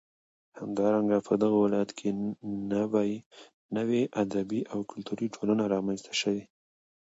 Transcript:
همدارنگه په دغه ولايت كې نوې ادبي او كلتوري ټولنې رامنځ ته شوې.